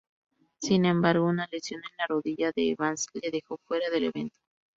Sin embargo, una lesión en la rodilla de Evans le dejó fuera del evento.